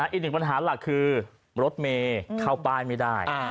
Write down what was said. อีกหนึ่งปัญหาหลักคือรถเมย์เข้าป้ายไม่ได้